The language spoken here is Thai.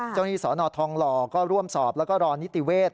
เจ้านี่สนทองหลอก็ร่วมสอบแล้วก็รอนิติเวทย์